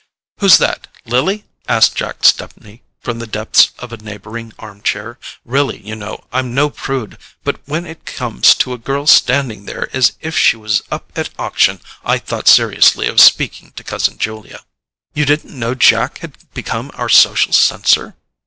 "Who's that? Lily?" asked Jack Stepney, from the depths of a neighbouring arm chair. "Really, you know, I'm no prude, but when it comes to a girl standing there as if she was up at auction—I thought seriously of speaking to cousin Julia." "You didn't know Jack had become our social censor?"